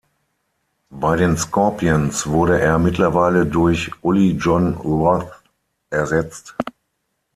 Bei den Scorpions wurde er mittlerweile durch Uli Jon Roth ersetzt.